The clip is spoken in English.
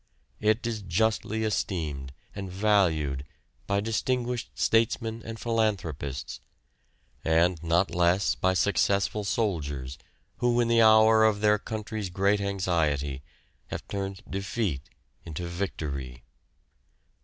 It is justly esteemed and valued by distinguished statesmen and philanthropists, and not less by successful soldiers who in the hour of their country's great anxiety have turned defeat into victory.